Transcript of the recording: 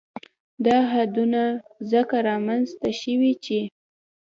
دا حدونه ځکه رامنځ ته شوي چې